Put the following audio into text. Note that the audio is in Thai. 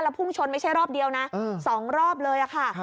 พุ่งชนไม่ใช่รอบเดียวนะ๒รอบเลยค่ะ